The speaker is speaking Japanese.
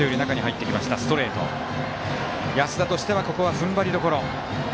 安田としてはここはふんばりどころ。